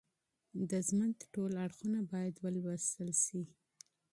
د ژوند ټول اړخونه باید مطالعه سي.